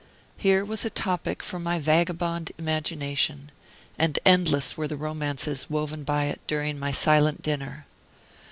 Here was a topic for my vagabond imagination, and endless were the romances woven by it during my silent dinner.